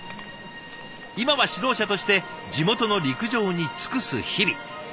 今は指導者として地元の陸上に尽くす日々。